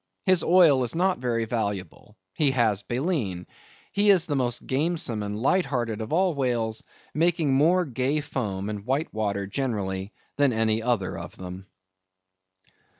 His oil is not very valuable. He has baleen. He is the most gamesome and light hearted of all the whales, making more gay foam and white water generally than any other of them.